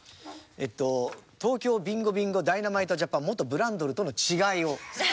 えっと東京ビンゴビンゴダイナマイトジャパン元ブランドルとの違いを説明する。